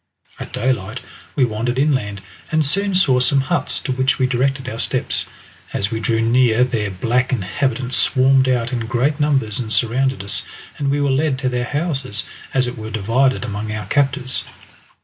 At daylight we wandered inland, and soon saw some huts, to which we directed our steps. As we drew near their black inhabitants swarmed out in great numbers and surrounded us, and we were led to their houses, and as it were divided among our captors.